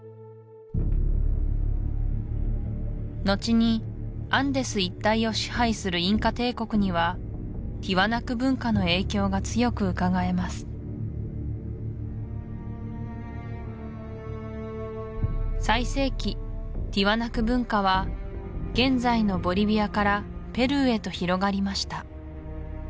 のちにアンデス一帯を支配するインカ帝国にはティワナク文化の影響が強くうかがえます最盛期ティワナク文化は現在のボリビアからペルーへと広がりました